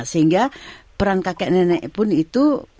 sehingga peran kakek nenek pun itu